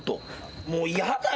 もう嫌だよ。